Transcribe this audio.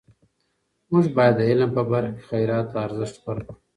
موږ باید د علم په برخه کې خیرات ته ارزښت ورکړو.